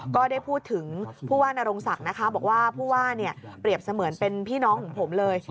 ก็ได้พูดถึงผู้ว่านรงศักดิ์นะคะบอกว่าผู้ว่าเปรียบเสมือนเป็นพี่น้องของผมเลย